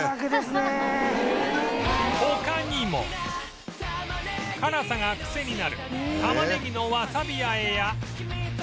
他にも辛さがクセになるたまねぎのわさび和えや